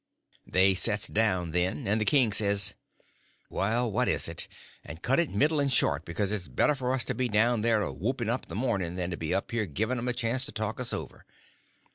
They sets down then, and the king says: "Well, what is it? And cut it middlin' short, because it's better for us to be down there a whoopin' up the mournin' than up here givin' 'em a chance to talk us over."